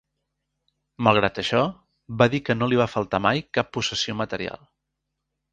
Malgrat això, va dir que no li va faltar mai cap possessió material.